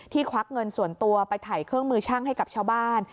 ควักเงินส่วนตัวไปถ่ายเครื่องมือช่างให้กับชาวบ้าน